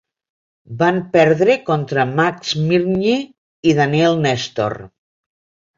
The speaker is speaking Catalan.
Van perdre contra Max Mirnyi i Daniel Nestor.